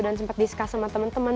dan sempat discuss sama temen temen